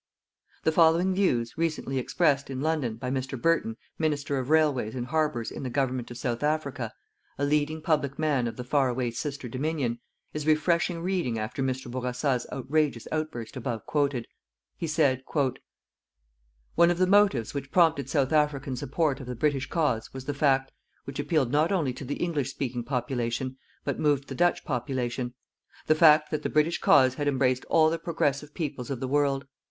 The following views, recently expressed, in London, by Mr. Burton, Minister of Railways and Harbours in the Government of South Africa, a leading public man of the far away sister Dominion, is refreshing reading after Mr. Bourassa's outrageous outburst above quoted. He said: "_One of the motives which prompted South African support of the British cause was the fact, which appealed not only to the English speaking population, but moved the Dutch population the fact that the British cause had embraced all the progressive peoples of the world.